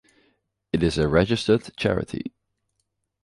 It is a registered charity.